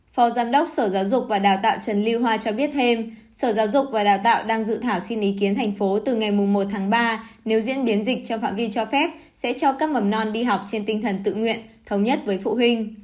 phó giám đốc sở giáo dục và đào tạo trần lưu hoa cho biết thêm sở giáo dục và đào tạo đang dự thảo xin ý kiến thành phố từ ngày một tháng ba nếu diễn biến dịch trong phạm vi cho phép sẽ cho các mầm non đi học trên tinh thần tự nguyện thống nhất với phụ huynh